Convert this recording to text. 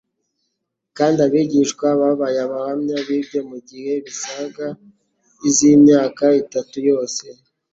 kandi abigishwa babaye abahamya b'ibyo mu gihe gisaga iznyaka itatu yose.